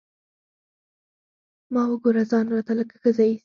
ما وګوره ځان راته لکه ښځه ايسي.